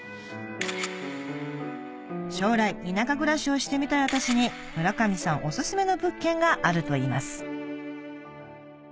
将来田舎暮らしをしてみたい私に村上さんオススメの物件があるといいます